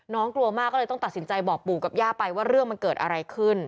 กลัวมากก็เลยต้องตัดสินใจบอกปู่กับย่าไปว่าเรื่องมันเกิดอะไรขึ้น